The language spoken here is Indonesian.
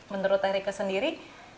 menurut teh rika sendiri